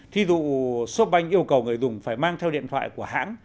thí dụ shopbank yêu cầu người dùng phải mang theo điện thoại của hãng